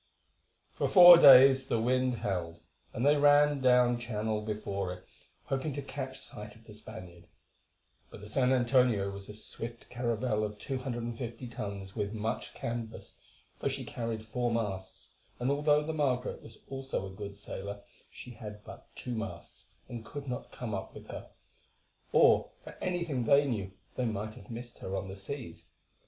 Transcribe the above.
For four days the wind held, and they ran down Channel before it, hoping to catch sight of the Spaniard; but the San Antonio was a swift caravel of 250 tons with much canvas, for she carried four masts, and although the Margaret was also a good sailer, she had but two masts, and could not come up with her. Or, for anything they knew, they might have missed her on the seas.